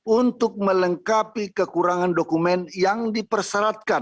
untuk melengkapi kekurangan dokumen yang dipersyaratkan